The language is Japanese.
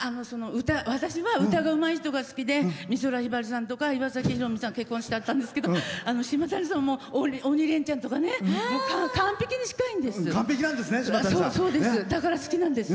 私は歌がうまい人が好きで美空ひばりさん岩崎宏美さん結婚しちゃったんですけど島谷ひとみさんとか完璧にしたいんです。